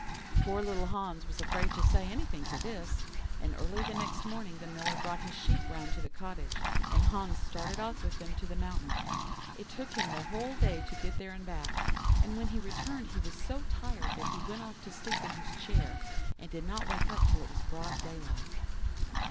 "Poor little Hans was afraid to say anything to this, and early the next morning the Miller brought his sheep round to the cottage, and Hans started off with them to the mountain. It took him the whole day to get there and back; and when he returned he was so tired that he went off to sleep in his chair, and did not wake up till it was broad daylight.